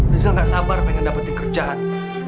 rizal gak sabar pengen dapetin kerjaan